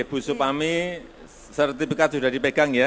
bu supami sertifikat sudah dipegang ya